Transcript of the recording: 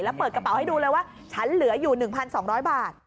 แล้วเปิดกระเป๋าให้ดูเลยว่าฉันเหลืออยู่๑๒๐๐บาท